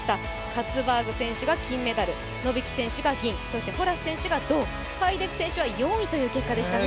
カツバーグ選手が金メダル、ノビキ選手が銀、そしてホラス選手が銅、ファイデク選手は４位という結果でしたね。